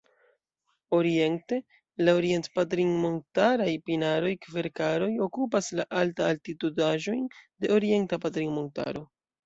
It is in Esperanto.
Oriente, la orient-patrinmontaraj pinaroj-kverkaroj okupas la alta-altitudaĵojn de Orienta Patrinmontaro.